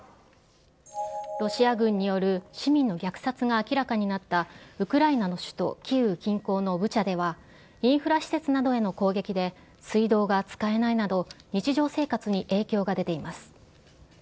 ロシア軍による市民の虐殺が明らかになった、ウクライナの首都キーウ近郊のブチャでは、インフラ施設などへの攻撃で水道が使えないなど、日常生活に影響が出ています。